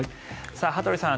羽鳥さん